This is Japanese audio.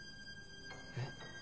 えっ？